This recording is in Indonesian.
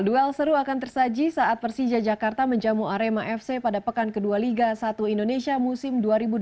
duel seru akan tersaji saat persija jakarta menjamu arema fc pada pekan kedua liga satu indonesia musim dua ribu dua puluh